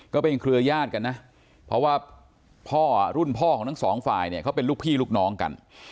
เครือญาติกันนะเพราะว่าพ่อรุ่นพ่อของทั้งสองฝ่ายเนี่ยเขาเป็นลูกพี่ลูกน้องกัน